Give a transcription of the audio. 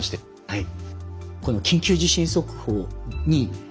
はい。